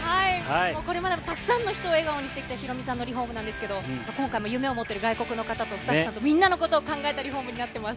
これまでもたくさんの人を笑顔にしてきたヒロミさんのリフォームなんですけど、今回も夢を持っている外国の方と、スタッフさんみんなのことを考えたリホームになっています。